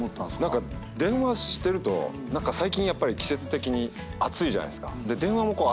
何か電話してると最近やっぱり季節的に暑いじゃないですか。